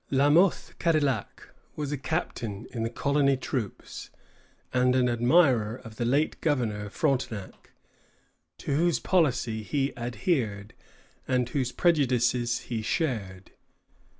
La Mothe Cadillac was a captain in the colony troops, and an admirer of the late governor, Frontenac, to whose policy he adhered, and whose prejudices he shared.